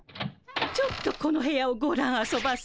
ちょっとこの部屋をごらんあそばせ！